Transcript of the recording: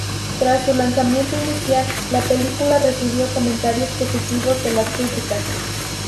Tras su lanzamiento inicial, la película recibió comentarios positivos de las críticas.